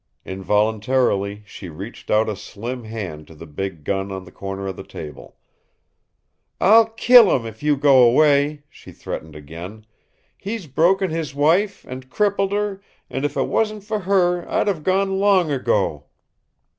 Involuntarily she reached out a slim hand to the big gun on the corner of the table. "I'll kill 'im, if you go away," she threatened again, "He's broken his wife, and crippled her, and if it wasn't for her I'd have gone long ago.